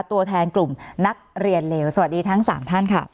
ตัวแทนกลุ่มนักเรียนเลวสวัสดีทั้ง๓ท่านค่ะ